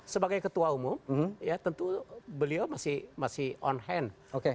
sebagai ketua umum ya tentu beliau masih on hand